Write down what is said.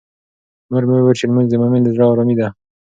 مور مې وویل چې لمونځ د مومن د زړه ارامي ده.